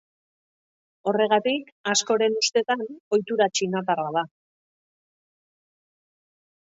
Horregatik, askoren ustetan, ohitura txinatarra da.